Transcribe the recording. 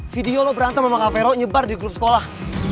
video lo berantem sama kavero nyebar di grup sekolah